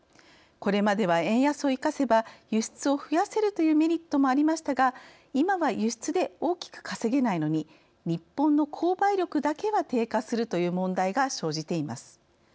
これまでは、円安を生かせば輸出を増やせるというメリットもありましたが今は輸出で大きく稼げないのに日本の購買力だけは低下するという問題が生じています。